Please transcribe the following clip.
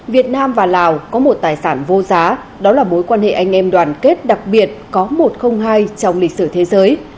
việt nam và lào có một tài sản vô giá đó là mối quan hệ anh em đoàn kết đặc biệt có một không hai trong lịch sử thế giới